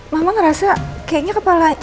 mama ngerasa kayaknya kepala